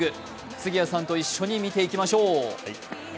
杉谷さんと一緒に見ていきましょう。